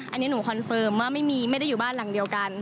อันนี้หนูคอนเฟิร์มว่าไม่ได้อยู่บ้านหลังเดียวกัน